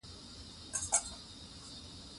پېیر کوري ولې د لابراتوار کار ځای سم کړ؟